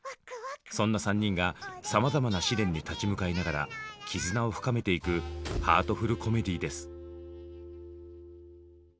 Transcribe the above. そんな３人がさまざまな試練に立ち向かいながら絆を深めていくハートフルコメディーです。